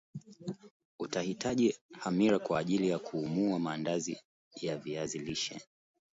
Utahitaji hamira kwa ajili ya kuumua maandazi ya viazi lishe